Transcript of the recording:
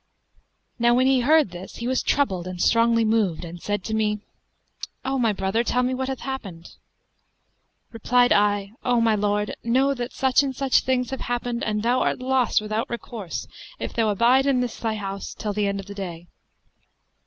Now when he heard this, he was troubled and strongly moved; and he said to me, 'O my brother, tell me what hath happened.' Replied I, 'O my lord, know that such and such things have happened and thou art lost without recourse, if thou abide in this thy house till the end of the day.'